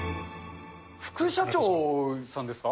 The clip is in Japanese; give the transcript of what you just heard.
副社長さんですか？